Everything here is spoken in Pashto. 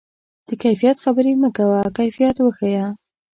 د کیفیت خبرې مه کوه، کیفیت وښیه.